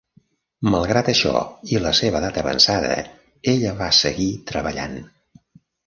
Malgrat això i la seva edat avançada, ella va seguir treballant.